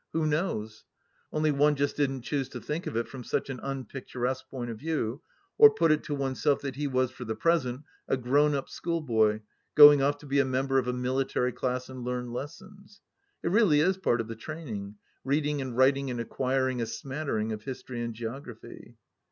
Who knows ? Only one just didn't choose to think of it from such an unpicturesque point of view, or put it to one self that he was for the present a grown up schoolboy going off to be a member of a military class and learn lessons 1 It really is part of the training : reading and writing and acquiring a smattering of history and geography.